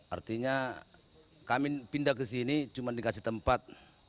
artinya kami pindah ke sini cuma dikasih tempat